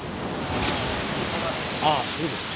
ああそうですか。